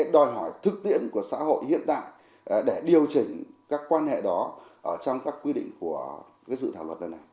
đòi hỏi thực tiễn của xã hội hiện tại để điều chỉnh các quan hệ đó trong các quy định của dự thảo luật lần này